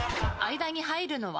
間に入るのは？